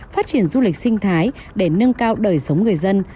phát triển du lịch sinh thái để nâng cao đời sống người dân